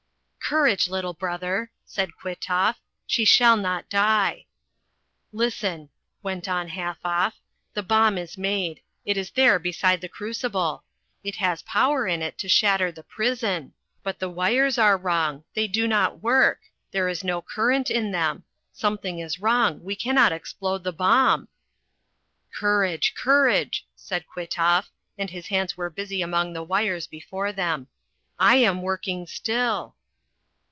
"Courage, little brother," said Kwitoff. "She shall not die." "Listen," went on Halfoff. "The bomb is made. It is there beside the crucible. It has power in it to shatter the prison. But the wires are wrong. They do not work. There is no current in them. Something is wrong. We cannot explode the bomb." "Courage, courage," said Kwitoff, and his hands were busy among the wires before him. "I am working still."